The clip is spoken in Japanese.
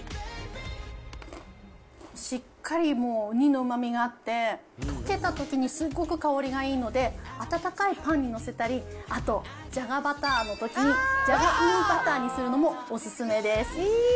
しっかりもううにのうまみがあって、溶けたときにすごく香りがいいので、温かいパンに載せたり、あと、じゃがバターのときに、じゃがうにバターにするのもおすすめです。